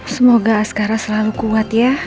semoga askara selalu kuat ya